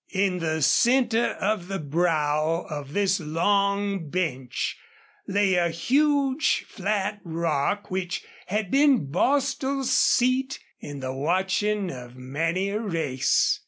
In the center of the brow of this long bench lay a huge, flat rock which had been Bostil's seat in the watching of many a race.